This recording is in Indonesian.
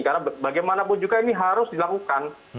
karena bagaimanapun juga ini harus dilakukan